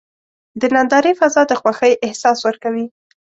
د نندارې فضا د خوښۍ احساس ورکوي.